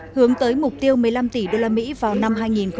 hướng tới mục tiêu một mươi năm tỷ usd vào năm hai nghìn hai mươi